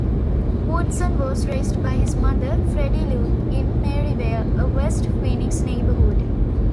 Woodson was raised by his mother, Freddie Luke, in Maryvale, a West Phoenix neighborhood.